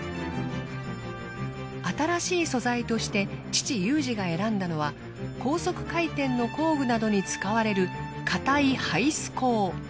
新しい素材として父有司が選んだのは高速回転の工具などに使われる硬いハイス鋼。